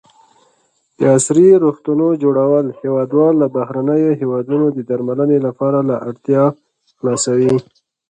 د عصري روغتونو جوړول هېوادوال له بهرنیو هېوادونو د درملنې لپاره له اړتیا خلاصوي.